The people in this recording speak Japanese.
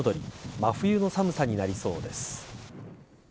真冬の寒さになりそうです。